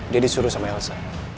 dia disuruh sama elsa